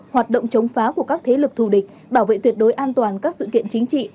hoạt động chống phá của các thế lực thù địch bảo vệ tuyệt đối an toàn các sự kiện chính trị